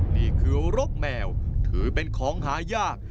นี่คือรกแมวถือเป็นของหายาก